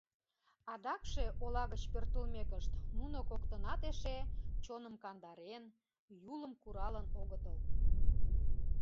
Адакше, ола гыч пӧртылмекышт, нуно коктынат эше, чоным кандарен, Юлым «куралын» огытыл.